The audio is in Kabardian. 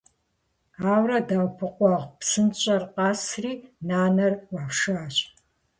Ауэрэ «ДэӀэпыкъуэгъу псынщӀэр» къэсри, нанэр Ӏуашащ.